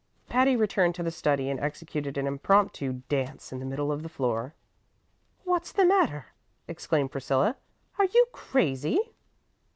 Patty returned to the study and executed an impromptu dance in the middle of the floor. "What's the matter?" exclaimed Priscilla. "Are you crazy?"